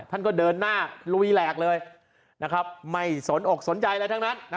ท่านก็เดินหน้าลุยแหลกเลยไม่สนอกสนใจอะไรทั้งนั้น